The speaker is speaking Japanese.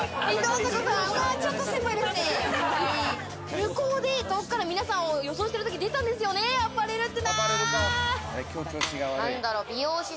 向こうで遠くから皆さんを予想してるときは出たんですよね、アパレルって。